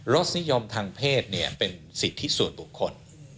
รสนิยมทางเพศเป็นสิทธิส่วนบุคคล